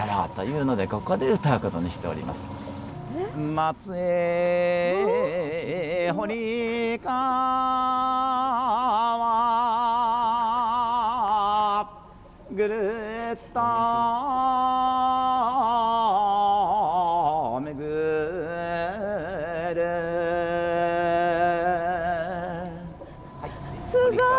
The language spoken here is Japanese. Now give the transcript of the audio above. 松江堀川ぐるっと巡るすごい！